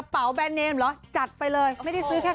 เพราะว่าเป๊ยไม่อั่นค่ะ